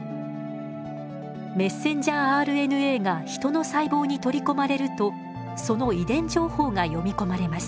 ｍＲＮＡがヒトの細胞に取り込まれるとその遺伝情報が読み込まれます。